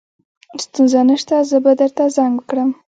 ستونزه نشته زه به درته زنګ وکړم